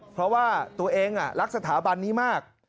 เพราะว่าตัวเองรักสถาบันนี้มาก